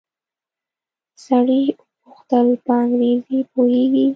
سړي وپوښتل په انګريزي پوهېږې.